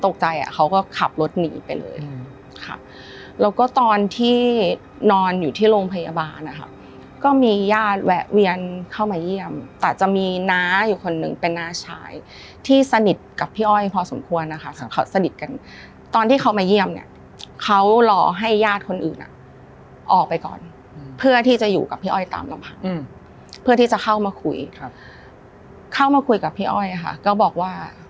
เขาก็ขับรถหนีไปเลยค่ะแล้วก็ตอนที่นอนอยู่ที่โรงพยาบาลนะคะก็มีญาติแวะเวียนเข้ามาเยี่ยมแต่จะมีน้าอยู่คนหนึ่งเป็นน้าชายที่สนิทกับพี่อ้อยพอสมควรนะคะเขาสนิทกันตอนที่เขามาเยี่ยมเนี่ยเขารอให้ญาติคนอื่นอ่ะออกไปก่อนเพื่อที่จะอยู่กับพี่อ้อยตามลำพังเพื่อที่จะเข้ามาคุยครับเข้ามาคุยกับพี่อ้อยค่ะก็บอกว่า